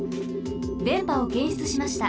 でんぱをけんしゅつしました。